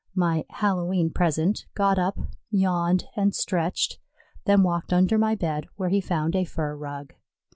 My Hallowe'en present got up, yawned and stretched, then walked under my bed, where he found a fur rug.